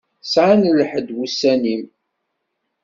Sɛan lḥedd wussan-im.